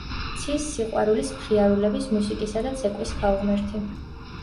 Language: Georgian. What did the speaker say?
ცის, სიყვარულის, მხიარულების, მუსიკისა და ცეკვის ქალღმერთი.